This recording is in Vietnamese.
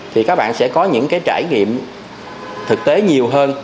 thì các bạn sẽ có những cái trải nghiệm thực tế nhiều hơn